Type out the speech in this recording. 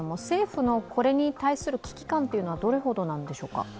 政府のこれに対する危機感というのはどれほどなんでしょうか？